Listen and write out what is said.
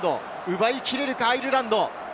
奪い切れるか、アイルランド。